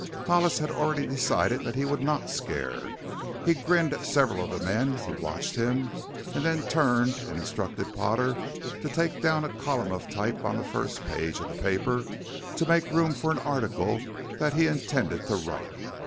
Hollis had already decided that he would not "scare." He grinned at several of the men who watched him and then turned and instructed Potter to take down a column of type on the first page of the paper to make room for an article that he intended to write.